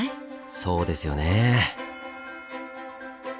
そうですよね。